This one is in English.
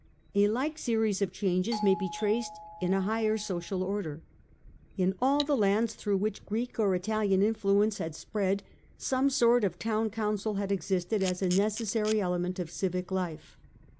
A like series of changes may bo traced in a higher social order. In all the lands "^^rough which Greek or Italian influence had spread, some sort of town council had existed as a necessary element of civic life.